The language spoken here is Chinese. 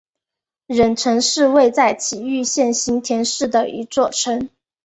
忍城是位在崎玉县行田市的一座城。